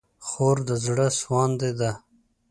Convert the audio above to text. خور د زړه سوانده ده.